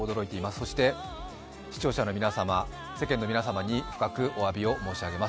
そして視聴者の皆様、世間の皆様に深くおわびを申し上げます。